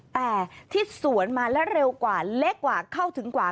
แต่ที่สวนมาและเร็วกว่าเล็กกว่าเข้าถึงกว่า